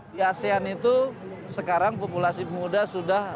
di asean itu sekarang populasi pemuda sudah